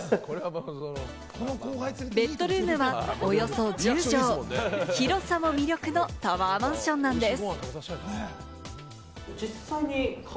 ベッドルームはおよそ１０畳、広さも魅力のタワーマンションなんです。